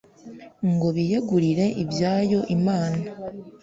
ngo biyegurire ibyayo imana